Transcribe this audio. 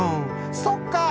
「そっかー」。